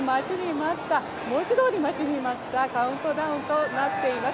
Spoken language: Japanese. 文字どおり待ちに待ったカウントダウンとなっています。